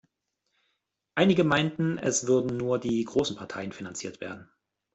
Einige meinten, es würden nur die großen Parteien finanziert werden.